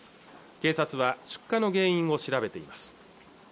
警察は出火の原因を調べています